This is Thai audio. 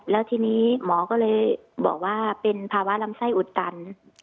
แล้วทีนี้หมอก็เลยบอกว่าเป็นภาวะลำไส้อุดตัน